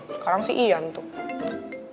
sekarang si yan tuh